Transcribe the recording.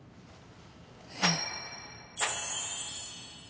えっ。